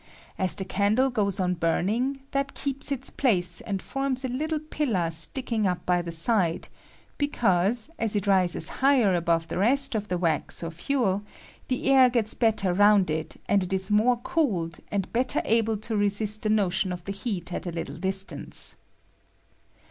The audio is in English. As the candle goes on burning, that keeps its place and forms a httle pillar sticking up by the side, because, as it rises higher above the rest of the wax or fuel, the air gets better round it, and it ia more cooled and better able to resist the action of the heat at a little distance.